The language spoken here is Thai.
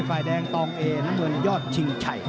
ฝ่ายแดงตองเอน้ำเงินยอดชิงชัย